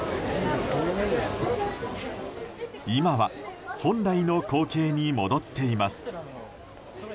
今は本来の光景に戻っています。